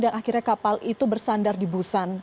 dan akhirnya kapal itu bersandar di busan